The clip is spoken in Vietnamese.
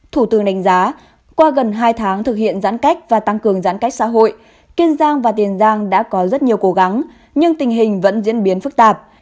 thủ tướng đánh giá qua gần hai tháng thực hiện giãn cách và tăng cường giãn cách xã hội kiên giang và tiền giang đã có rất nhiều cố gắng nhưng tình hình vẫn diễn biến phức tạp